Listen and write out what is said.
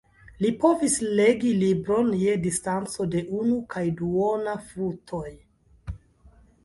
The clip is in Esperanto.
Li povis "legi libron je distanco de unu kaj duona futoj".